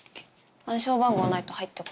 暗証番号ないと入ってこれない。